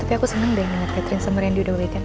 tapi aku seneng deh ngeliat catherine sama rindy udah weekend